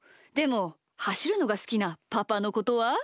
でもはしるのがすきなパパのことは？